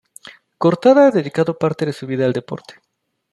Cortada ha dedicado parte de su vida al deporte.